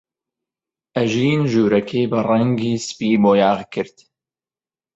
ئەژین ژوورەکەی بە ڕەنگی سپی بۆیاغ کرد.